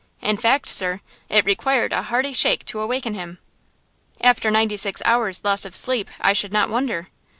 In fact, sir, it required a hearty shake to awaken him." "After ninety six hours' loss of sleep, I should not wonder."